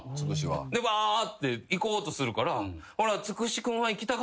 ばーって行こうとするから。